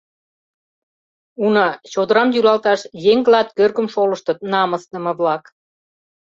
Уна, чодырам йӱлалташ еҥ клат кӧргым шолыштыт, намысдыме-влак.